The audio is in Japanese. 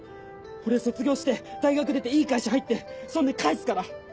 俺卒業して大学出ていい会社入ってそんで返すから！